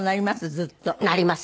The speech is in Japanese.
ずっと。なります。